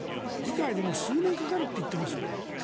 議会で数年かかると言っていますよね。